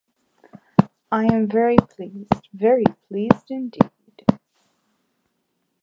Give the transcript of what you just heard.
I am very pleased, very pleased indeed.